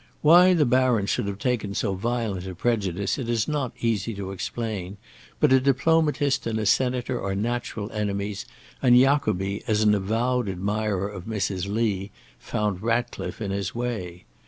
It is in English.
Why the baron should have taken so violent a prejudice it is not easy to explain, but a diplomatist and a senator are natural enemies, and Jacobi, as an avowed admirer of Mrs. Lee, found Ratcliffe in his way.